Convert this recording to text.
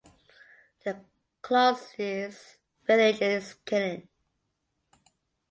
The closest village is Killin.